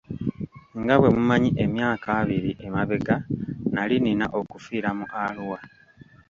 Nga bwemumanyi emyaka abiri emabega nali nina okufiira mu Arua.